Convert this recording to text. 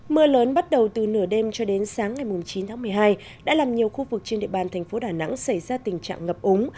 mưa lớn bắt đầu từ nửa đêm cho đến sáng ngày chín tháng một mươi hai đã làm nhiều khu vực trên địa bàn thành phố đà nẵng xảy ra tình trạng ngập úng